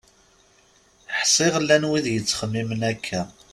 Ḥsiɣ llan wid yettxemmimen akka.